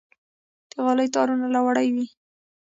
د غالۍ تارونه له وړۍ وي.